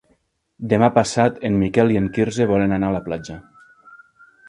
Demà passat en Miquel i en Quirze volen anar a la platja.